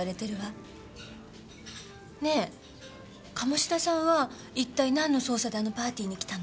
ねえ鴨志田さんは一体何の捜査であのパーティーに来たの？